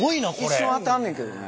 一瞬当たんねんけどね。